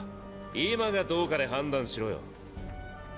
今がどうかで判断しろよ。